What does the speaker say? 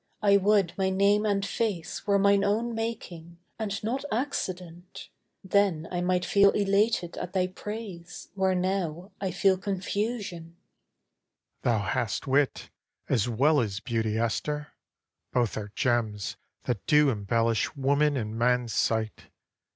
I would my name and face Were mine own making and not accident. Then I might feel elated at thy praise, Where now I feel confusion. AHASUERAS Thou hast wit As well as beauty, Esther. Both are gems That do embellish woman in man's sight.